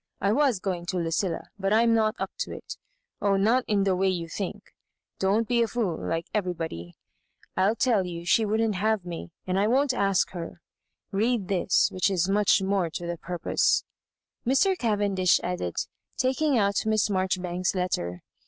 I was going to Lucilla, but I'm not up to it Oh, not in the way you think I Don't be a fool like everybody. I tell you she wouldn't have me, and I won't ask her. Read this, which is much more to the purpose," Mr. Cavendish add ed, taking out Miss Maijoribanks's letter.